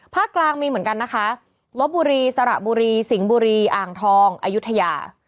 กลางมีเหมือนกันนะคะลบบุรีสระบุรีสิงห์บุรีอ่างทองอายุทยา